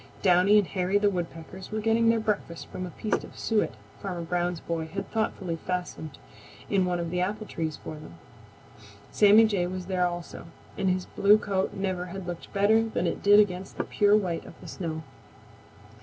Downy and Hairy the Woodpeckers were getting their breakfast from a piece of suet Farmer Brown's boy had thoughtfully fastened in one of the apple trees for them. Sammy Jay was there also, and his blue coat never had looked better than it did against the pure white of the snow.